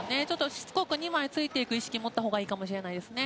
しつこく２枚ついていく意識を持ったほうがいいかもしれないですね。